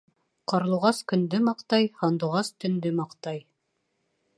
Ҡарлуғас көндө маҡтай, һандуғас төндө маҡтай.